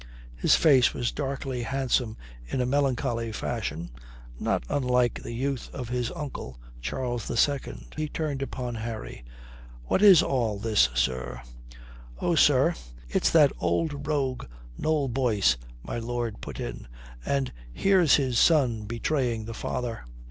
His face was darkly handsome in a melancholy fashion, not unlike the youth of his uncle, Charles II. He turned upon Harry. "What is all this, sir?" "Oh, sir, it's that old rogue Noll Boyce," my lord put in. "And here's his son betraying the father."